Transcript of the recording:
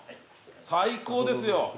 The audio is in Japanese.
最高ですよ。